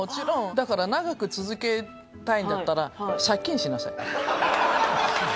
だから長く続けたいんだったら。借金？